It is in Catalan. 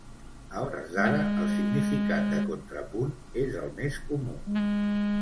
A hores d'ara, el significat de contrapunt és el més comú.